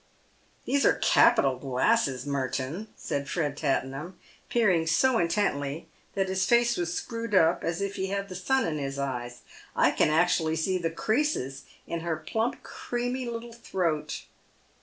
" These are capital glasses, Merton," said Fred Tattenham, peering so intently that his face was screwed up as if he had the sun in his eyes. " I can actually see the creases in her plump, creamy little throat."